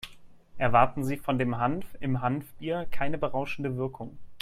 Erwarten Sie von dem Hanf im Hanfbier keine berauschende Wirkung.